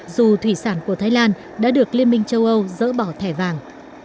dù thủy sản của thái lan đã được liên minh châu âu dỡ bỏ thẻ vàng